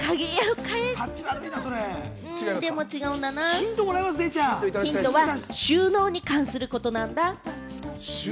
違うんだな、ヒントは収納に関することなんだ。